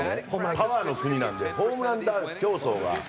パワーの国なんでホームラン競争が行われる。